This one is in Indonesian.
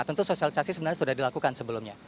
tentu sosialisasi sebenarnya sudah dilakukan sebelumnya